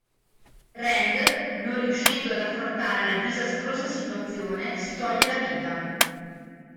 Rand non riuscendo ad affrontare la disastrosa situazione si toglie la vita.